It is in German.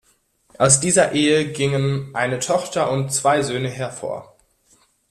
Aus dieser Ehe gingen eine Tochter und zwei Söhne hervor.